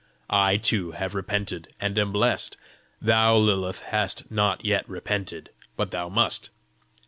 I too have repented, and am blessed. Thou, Lilith, hast not yet repented; but thou must.